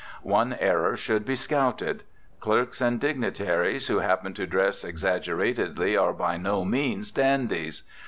One error should be scouted: clerks and dig nitaries who happen to dress exagger atedly are by no means dandies.